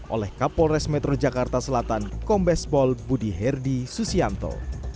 oleh kapolres metro jakarta selatan kombespol budi herdi susianto